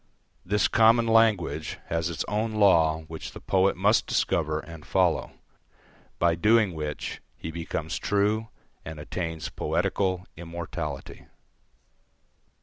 This common language has its own law which the poet must discover and follow, by doing which he becomes true and attains poetical immortality.